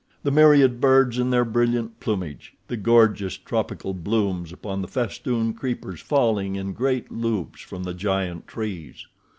The myriad birds in their brilliant plumage—the gorgeous tropical blooms upon the festooned creepers falling in great loops from the giant trees.